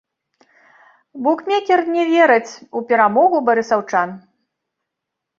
Букмекер не вераць у перамогу барысаўчан.